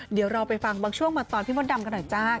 เดี๋ยวเราไปฟังบางช่วงบางตอนพี่มดดำกันหน่อยจ้า